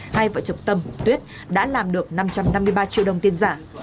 hai vợ chồng tâm tuyết đã làm được năm trăm năm mươi ba triệu đồng tiền giả